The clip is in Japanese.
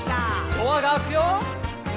「ドアが開くよ」